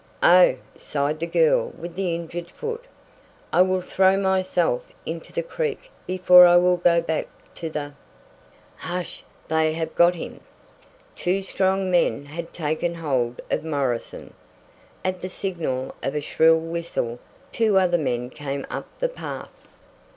"Oh," sighed the girl with the injured foot, "I will throw myself into the creek before I will go back to the " "Hush! They have got him!" Two strong men had taken hold of Morrison. At the signal of a shrill whistle two other men came up the path.